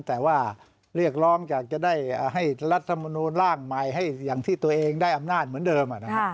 แต่ว่าเรียกร้องอยากจะได้ให้รัฐมนูลร่างใหม่ให้อย่างที่ตัวเองได้อำนาจเหมือนเดิม